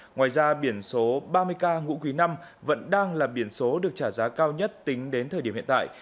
ngoài ra biển số ba mươi k ngũ quý năm vẫn đang là biển số được trả giá cao nhất tính đến thời điểm hiện tại